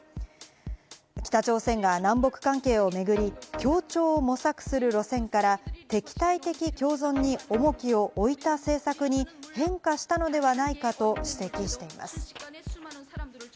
北朝鮮が南北関係を巡り、協調を模索する路線から、敵対的共存に重きを置いた政策に変化したのではないかと指摘しています。